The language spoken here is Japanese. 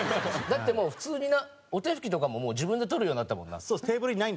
だってもう普通になお手拭きとかももう自分で取るようになったもんな。